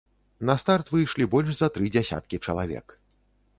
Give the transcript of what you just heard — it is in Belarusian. На старт выйшлі больш за тры дзясяткі чалавек.